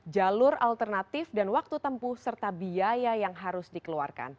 jalur alternatif dan waktu tempuh serta biaya yang harus dikeluarkan